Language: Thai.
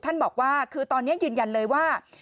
บอกว่าคือตอนนี้ยืนยันเลยว่า